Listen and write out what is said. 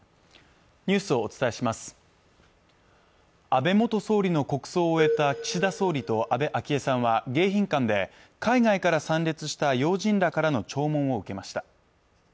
安倍元総理の国葬を追えた岸田総理と安倍昭恵さんは迎賓館で、海外から参列した要人らからの弔問を受けました。